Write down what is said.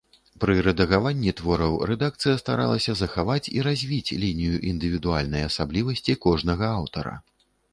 Пры рэдагаванні твораў рэдакцыя старалася захаваць і развіць лінію індывідуальнай асаблівасці кожнага аўтара.